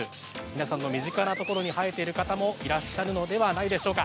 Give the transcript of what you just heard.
身近なところに生えている方もいらっしゃるのではないでしょうか。